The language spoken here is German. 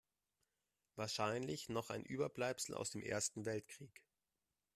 Wahrscheinlich noch ein Überbleibsel aus dem Ersten Weltkrieg.